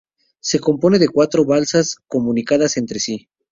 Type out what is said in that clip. Se componen de cuatro balsas comunicadas entre sí.